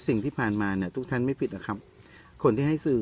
สิ่งที่ผ่านมาเนี่ยทุกท่านไม่ผิดหรอกครับคนที่ให้สื่อ